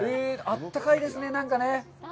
あったかいですね、なんかね。